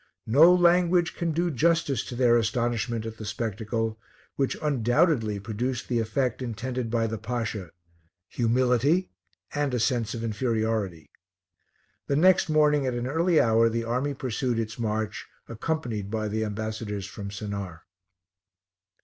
No language can do justice to their astonishment at the spectacle, which undoubtedly produced the effect intended by the Pasha humility and a sense of inferiority. The next morning at an early hour the army pursued its march, accompanied by the ambassadors from Sennaar.